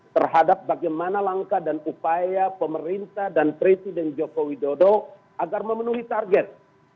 terhadap bagaimana langkah dan upaya pemerintah dan presiden joko widodo agar memenuhi target